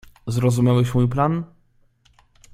"Zrozumiałeś mój plan?"